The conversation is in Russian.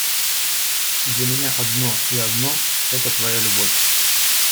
Для меня одно и одно — это твоя любовь.